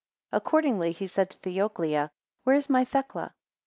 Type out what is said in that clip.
Accordingly he said to Theoclia, Where is my Thecla?